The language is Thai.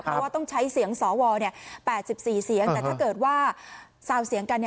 เพราะว่าต้องใช้เสียงสว๘๔เสียงแต่ถ้าเกิดว่าซาวเสียงกัน